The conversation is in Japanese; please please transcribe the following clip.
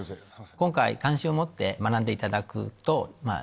今回関心を持って学んでいただくと。